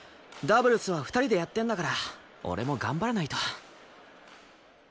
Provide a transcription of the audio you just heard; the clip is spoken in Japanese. ダブルスは２人でやってんだから俺も頑張らないと。